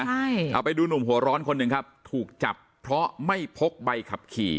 ใช่เอาไปดูหนุ่มหัวร้อนคนหนึ่งครับถูกจับเพราะไม่พกใบขับขี่